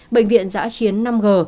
bệnh viện giã chiến năm g